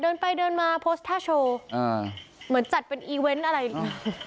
เดินไปเดินมาโพสต์ท่าโชว์อ่าเหมือนจัดเป็นอีเวนต์อะไรอย่างนี้